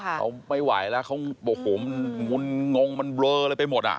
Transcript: เขาไม่ไหวแล้วเขาโอ้โหมันงุนงงมันเบลออะไรไปหมดอ่ะ